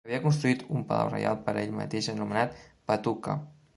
Havia construït un Palau Reial per ell mateix anomenat "Patuka".